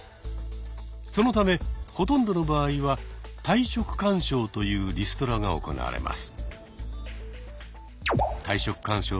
そのためほとんどの場合は「退職勧奨」というリストラが行われます。